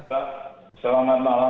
pak selamat malam